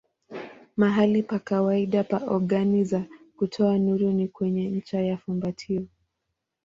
Mahali pa kawaida pa ogani za kutoa nuru ni kwenye ncha ya fumbatio.